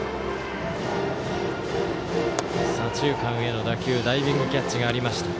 左中間への打球ダイビングキャッチがありました。